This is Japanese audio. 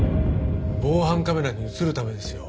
防犯カメラに映るためですよ。